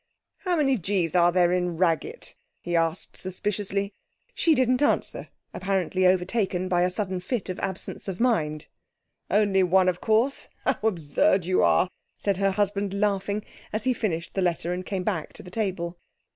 'How many g's are there in "Raggett"?' he asked suspiciously. She didn't answer, apparently overtaken by a sudden fit of absence of mind. 'Only one, of course. How absurd you are!' said her husband, laughing, as he finished the letter and came back to the table.